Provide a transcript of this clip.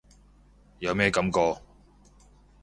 有咩感覺？